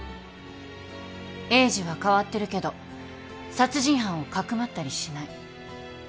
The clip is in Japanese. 栄治は変わってるけど殺人犯をかくまったりしない。